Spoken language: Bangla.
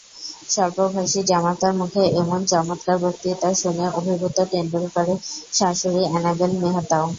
স্বল্পভাষী জামাতার মুখে এমন চমৎকার বক্তৃতা শুনে অভিভূত টেন্ডুলকারের শাশুড়ি অ্যানাবেল মেহতাও।